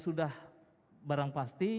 sudah barang pasti